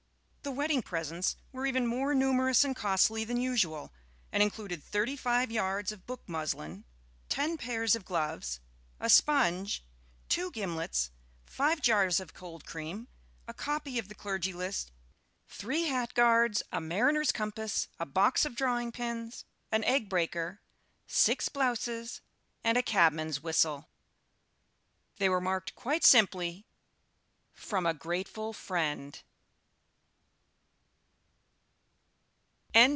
The wedding presents were even more numerous and costly than usual, and included thirty five yards of book muslin, ten pairs of gloves, a sponge, two gimlets, five jars of cold cream, a copy of the Clergy List, three hat guards, a mariner's compass, a box of drawing pins, an egg breaker, six blouses, and a cabman's whistle. They were marked quite simply, "From a grateful friend."